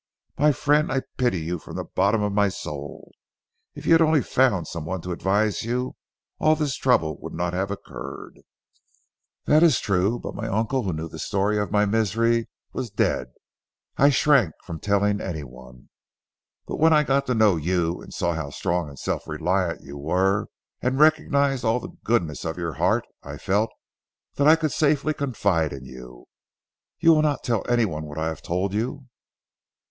"My friend, I pity you from the bottom of my soul. If you had only found some one to advise you, all this trouble would not have occurred." "That is true. But my uncle who knew the story of my misery was dead. I shrank from telling anyone. But when I got to know you and saw how strong and self reliant you were, and recognised also the goodness of your heart I felt that I could safely confide in you, You will not tell anyone what I have told you?"